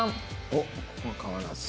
おっここは変わらず。